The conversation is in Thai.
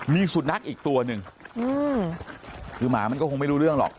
มีสุนัขอีกตัวหนึ่งคือหมามันก็คงไม่รู้เรื่องหรอก